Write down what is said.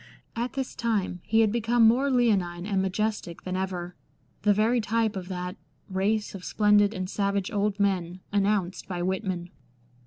At this time he had become more leonine and majestic than ever — the very type of that " race of splendid and savage old men " announced by Whitman.